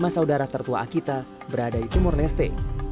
lima saudara tertua akita berada di timur leste